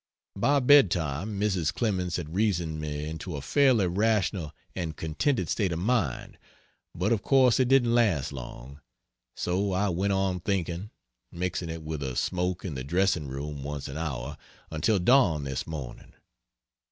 By bedtime Mrs. Clemens had reasoned me into a fairly rational and contented state of mind; but of course it didn't last long. So I went on thinking mixing it with a smoke in the dressing room once an hour until dawn this morning.